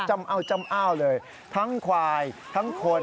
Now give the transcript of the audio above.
จำอ้าวเลยทั้งควายทั้งคน